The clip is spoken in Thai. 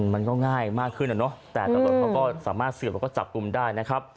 มันก็ง่ายมากขึ้นแล้วเนาะแต่ตอนนี้ก็สามารถเสือกแล้วก็จับกลุ่มได้นะครับ